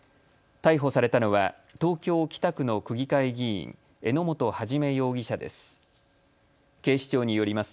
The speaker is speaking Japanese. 逮捕されたのは東京北区の区議会議員、榎本一容疑者です。